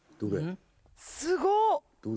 すごっ！